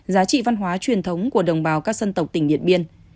giá trị văn hóa truyền thống của đồng bào các dân tộc tỉnh điện biên